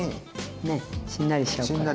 ねしんなりしちゃうから。